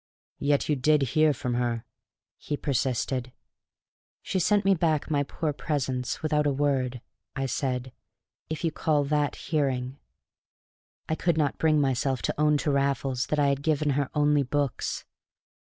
"Yet you did hear from her?" he persisted. "She sent me back my poor presents, without a word," I said, "if you call that hearing." I could not bring myself to own to Raffles that I had given her only books.